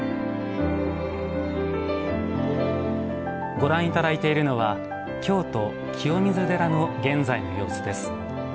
ご覧いただいているのは京都・清水寺の現在の様子です。